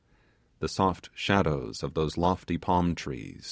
The soft shadows of those lofty palm trees!